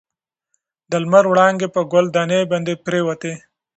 د لمر وړانګې په ګل دانۍ باندې پرتې وې.